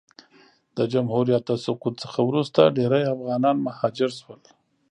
د جمهوریت د سقوط څخه وروسته ډېری افغانان مهاجر سول.